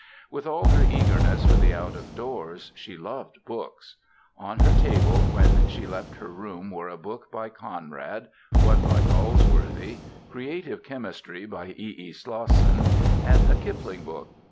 With all her eagerness for the out of doors, she loved books. On her table when she left her room were a book by Conrad, one by Galsworthy, "Creative Chemistry" by E. E. Slosson, and a Kipling book.